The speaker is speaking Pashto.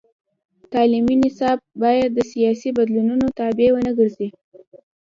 تعلیمي نصاب باید د سیاسي بدلونونو تابع ونه ګرځي.